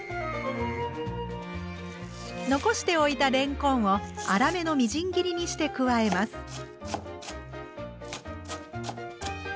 残しておいたれんこんを粗めのみじん切りにして加えます。